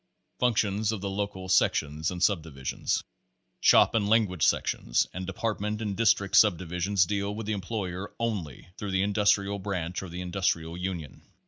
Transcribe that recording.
Functions of the Local Sections and Subdivisions Shop and language sections, and department and district subdivisions deal with the employer ONLY through the Industrial Branch or the Industrial Union.